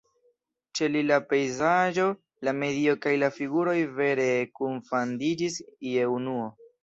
Ĉe li la pejzaĝo, la medio kaj la figuroj vere kunfandiĝis je unuo.